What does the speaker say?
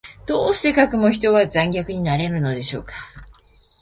どうしてかくも人は残虐になれるのでしょうか。